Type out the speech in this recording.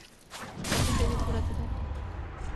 তখন তিনি খোঁড়াতে থাকেন।